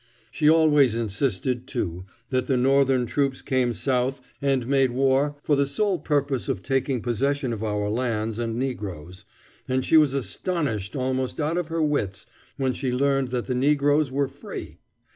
She always insisted, too, that the Northern troops came South and made war for the sole purpose of taking possession of our lands and negroes, and she was astonished almost out of her wits when she learned that the negroes were free.